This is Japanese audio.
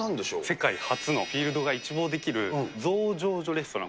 世界初のフィールドが一望できる醸造所レストラン。